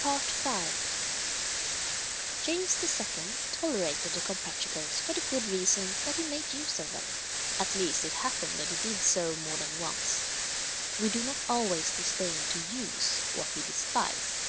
V. James II. tolerated the Comprachicos for the good reason that he made use of them; at least it happened that he did so more than once. We do not always disdain to use what we despise.